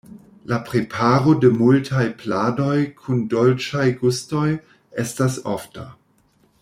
La preparo de multaj pladoj kun dolĉaj gustoj estas ofta.